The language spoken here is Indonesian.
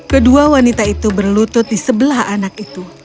kedua wanita itu berlutut di sebelah anak itu